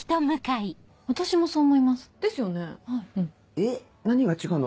えっ何が違うの？